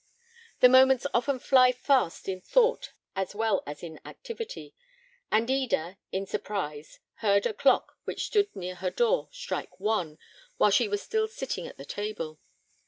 The moments often fly fast in thought as well as in activity; and Eda, in surprise, heard a clock which stood near her door strike one, while she was still sitting at the table.